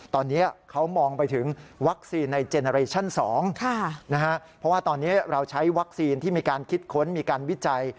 ที่มีการคิดค้นมีการวิจัย